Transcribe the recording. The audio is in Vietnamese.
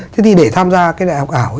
thế thì để tham gia cái đại học ảo